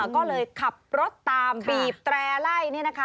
ก็เลยขับรถตามบีบแตร่ไล่